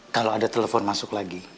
kamu pada barang barang sisanya